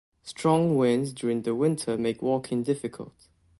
Strong winds during the winter make walking difficult.